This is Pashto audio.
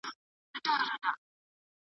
تجربه د علم محک دی.